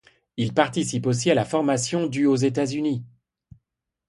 Il participe aussi à la formation du aux États-Unis.